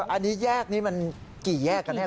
อันนี้แยกนี้มันกี่แยกกันแน่